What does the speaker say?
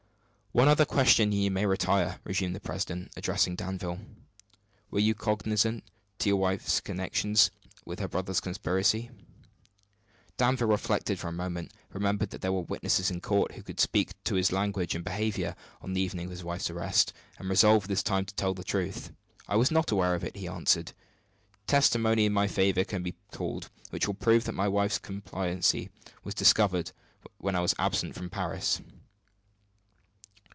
"One other question, and you may retire," resumed the president, addressing Danville. "Were you cognizant of your wife's connection with her brother's conspiracy?" Danville reflected for a moment, remembered that there were witnesses in court who could speak to his language and behavior on the evening of his wife's arrest, and resolved this time to tell the truth. "I was not aware of it," he answered. "Testimony in my favor can be called which will prove that when my wife's complicity was discovered I was absent from Paris."